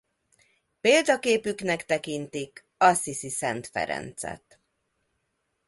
Példaképüknek tekintik Assisi Szent Ferencet.